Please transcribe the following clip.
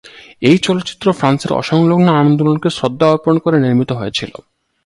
এই চলচ্চিত্র ফ্রান্সের অসংলগ্ন আন্দোলনকে শ্রদ্ধা অর্পণ করে নির্মিত হয়েছিলো।